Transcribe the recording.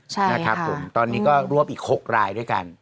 ใช่นะครับผมตอนนี้ก็รวบอีก๖รายด้วยกัน